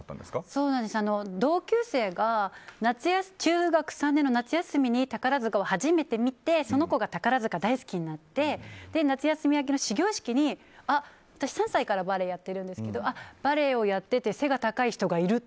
そうなんです、同級生が中学３年の夏休みに宝塚を初めて見てその子が、宝塚大好きになって夏休み明けの始業式に私、３歳からバレエやってるんですけどバレエをやってて背が高い人がいる。